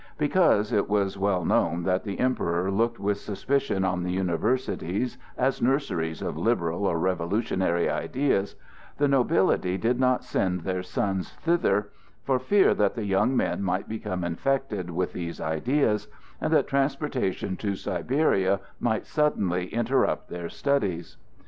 Because it was well known that the Emperor looked with suspicion on the universities as nurseries of liberal or revolutionary ideas, the nobility did not send their sons thither, for fear that the young men might become infected with these ideas, and that transportation to Siberia might suddenly interrupt their studies.